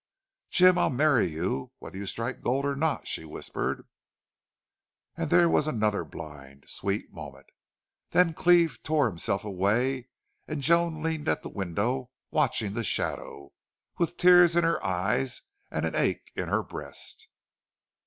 "Jim, I'll marry you whether you strike gold or not," she whispered. And there was another blind, sweet moment. Then Cleve tore himself away, and Joan leaned at the window, watching the shadow, with tears in her eyes and an ache in her breast.